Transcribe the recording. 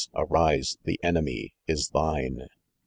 Arise! The enemy is thine!"